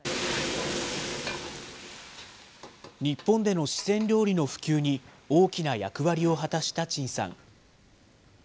日本での四川料理の普及に大きな役割を果たした陳さん。